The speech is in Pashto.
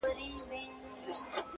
میکده څه نن یې پیر را سره خاندي